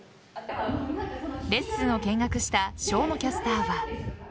レッスンを見学した生野キャスターは。